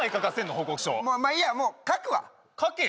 報告書まあいいやもう書くわ書けよ？